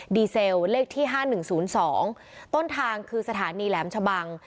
เซลเลขที่๕๑๐๒ต้นทางคือสถานีแหลมชะบัง